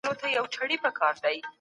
پروانه